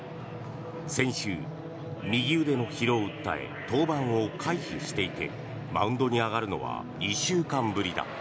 先週、右腕の疲労を訴え登板を回避していてマウンドに上がるのは２週間ぶりだ。